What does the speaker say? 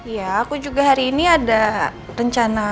ya aku juga hari ini ada rencana